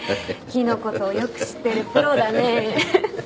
木のことをよく知ってるプロだねぇ。